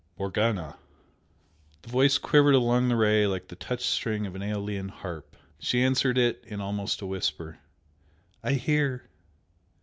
"Morgana!" The Voice quivered along the Ray like the touched string of an aeolian harp. She answered it in almost a whisper "I hear!"